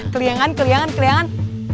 kelihangan kelihangan kelihangan